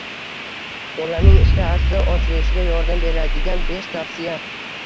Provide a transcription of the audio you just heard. Bolaning ishtahasi ochilishida yordam beradiganbeshtavsiya